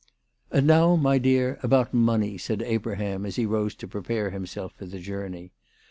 " And now, my dear, about money," said Abraham as he rose to prepare himself for the journey.